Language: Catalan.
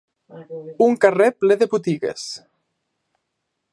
Un carrer ple de botigues.